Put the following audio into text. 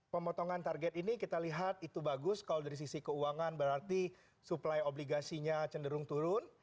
pemotongan target ini kita lihat itu bagus kalau dari sisi keuangan berarti suplai obligasinya cenderung turun